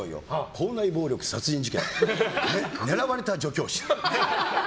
校内暴力殺人事件狙われた女教師。